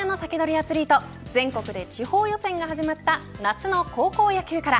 アツリート全国で地方予選が始まった夏の高校野球から。